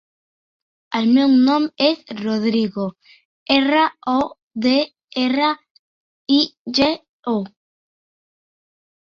El meu nom és Rodrigo: erra, o, de, erra, i, ge, o.